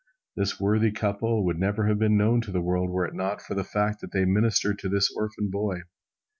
This worthy couple would never have been known to the world were it not for the fact that they ministered to this orphan boy.